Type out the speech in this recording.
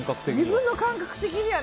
自分の感覚的には。